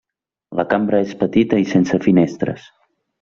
La cambra és petita i sense finestres.